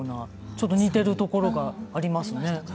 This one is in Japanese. ちょっと似てるところがありますね。